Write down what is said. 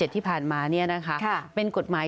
ที่ผ่านมาเนี่ยนะคะเป็นกฎหมาย